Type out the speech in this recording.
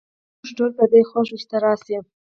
موږ ټول په دي خوښ یو چې ته راشي